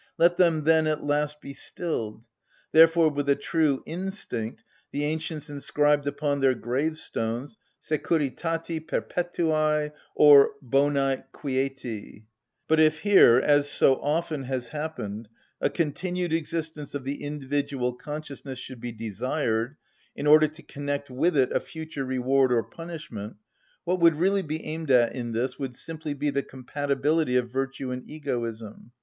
Let them, then, at last be stilled! Therefore with a true instinct, the ancients inscribed upon their gravestones: Securitati perpetuæ;—or Bonæ quieti. But if here, as so often has happened, a continued existence of the individual consciousness should be desired, in order to connect with it a future reward or punishment, what would really be aimed at in this would simply be the compatibility of virtue and egoism.